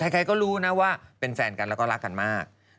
ใครก็รู้นะว่าเป็นแฟนกันแล้วก็รักกันมาก